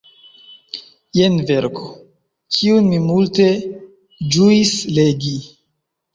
Jen verko, kiun mi multe ĝuis legi.